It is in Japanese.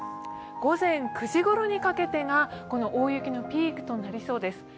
午前９時ころにかけてが大雪のピークとなりそうです。